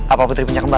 apa putri punya kemaran